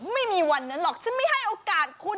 ไม่มีวันนั้นหรอกฉันไม่ให้โอกาสคุณ